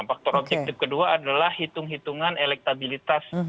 faktor objektif kedua adalah hitung hitungan elektabilitas